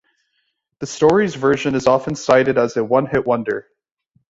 The Stories version is often cited as a "one hit wonder".